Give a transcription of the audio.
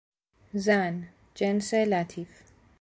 زن، جنس لطیف